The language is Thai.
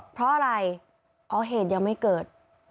เพราะอะไรอ๋อเหตุยังไม่เกิด